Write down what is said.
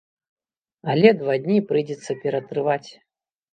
Але два дні прыйдзецца ператрываць.